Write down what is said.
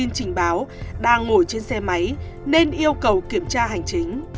cô gái trình báo đang ngồi trên xe máy nên yêu cầu kiểm tra hành chính